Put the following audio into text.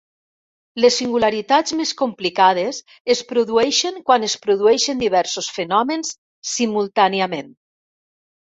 Les singularitats més complicades es produeixen quan es produeixen diversos fenòmens simultàniament.